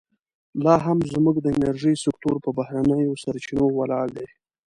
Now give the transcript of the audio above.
لا هم زموږ د انرژۍ سکتور پر بهرنیو سرچینو ولاړ دی.